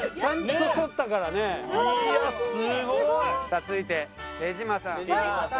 さあ続いて手島さん。